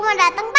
kau mau dateng pak